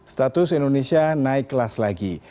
status indonesia naik kelas lagi